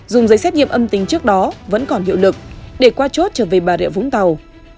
dùng giấy xét nghiệm âm tính trước đó vẫn còn hiệu lực để qua chốt trở về bà rịa vũng tàu